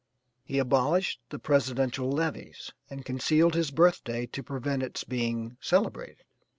He abolished the presidential levees, and concealed his birthday to prevent its being celebrated.